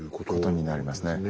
ことになりますね。